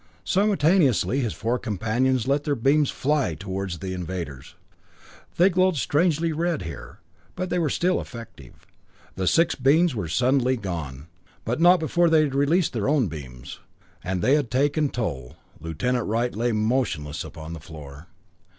Simultaneously his four companions let their beams fly toward the invaders. They glowed strangely red here, but they were still effective. The six beings were suddenly gone but not before they had released their own beams. And they had taken toll. Lieutenant Wright lay motionless upon the floor.